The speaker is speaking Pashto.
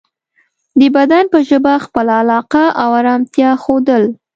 د بدن په ژبه خپله علاقه او ارامتیا ښودل